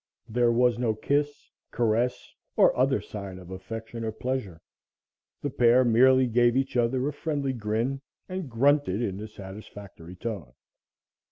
There was no kiss, caress or other sign of affection or pleasure; the pair merely gave each other a friendly grin and grunted in a satisfactory tone.